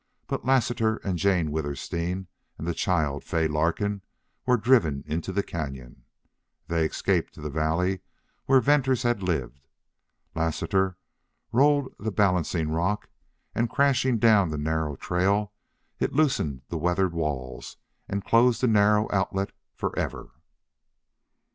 But Lassiter and Jane Withersteen and the child Fay Larkin were driven into the cañon. They escaped to the valley where Venters had lived. Lassiter rolled the balancing rock, and, crashing down the narrow trail, it loosened the weathered walls and closed the narrow outlet for ever."